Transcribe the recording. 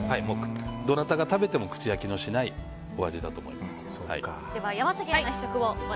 どなたが食べても口やけのしないお味だと思います。